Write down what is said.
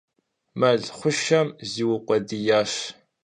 Мэл хъушэм зиукъуэдиящ.